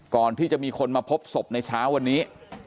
ก่อนที่จะมีคนมาพบศพในเช้าวันนี้